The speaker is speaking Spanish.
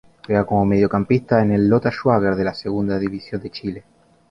Juega como Mediocampista en el Lota Schwager de la Segunda División de Chile.